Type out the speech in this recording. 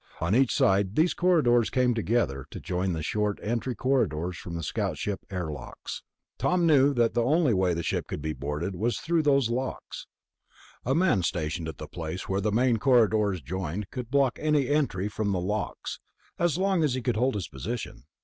On each side these corridors came together to join the short entry corridors from the scout ship airlocks. Tom knew that the only way the ship could be boarded was through those locks; a man stationed at the place where the main corridors joined could block any entry from the locks ... as long as he could hold his position.